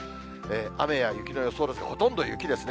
雨や雪の予想ですが、ほとんど雪ですね。